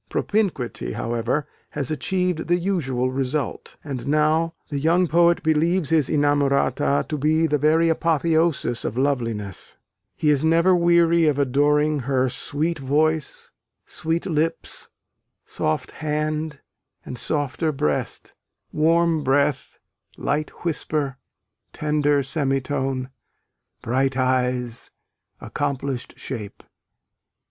Propinquity, however, has achieved the usual result; and now the young poet believes his inamorata to be the very apotheosis of loveliness: he is never weary of adoring her Sweet voice, sweet lips, soft hand, and softer breast, Warm breath, light whisper, tender semitone, Bright eyes, accomplished shape!